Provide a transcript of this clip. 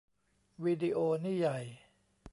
วีดิโอนี่ใหญ่